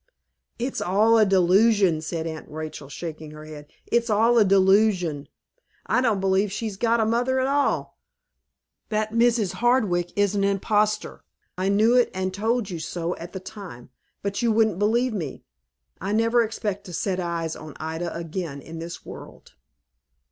"It's all a delusion," said Aunt Rachel, shaking her head. "It's all a delusion. I don't believe she's got a mother at all. That Mrs. Hardwick is an imposter. I knew it, and told you so at the time, but you wouldn't believe me. I never expect to set eyes on Ida again in this world."